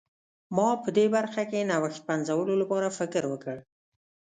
ما په دې برخه کې نوښت پنځولو لپاره فکر وکړ.